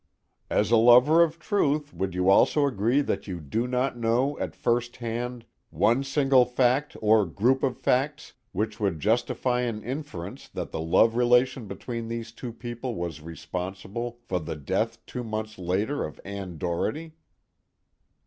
"As a lover of truth, would you also agree that you do not know, at first hand, one single fact, or group of facts, which would justify an inference that the love relation between these two people was responsible for the death two months later of Ann Doherty?"